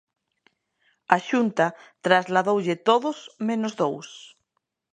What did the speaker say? A Xunta trasladoulle todos menos dous.